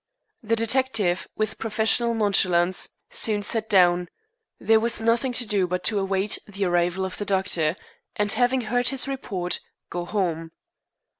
The detective, with professional nonchalance, soon sat down. There was nothing to do but await the arrival of the doctor, and, having heard his report, go home.